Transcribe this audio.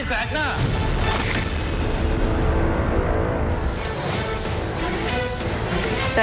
ชูวิตตีแสกหน้า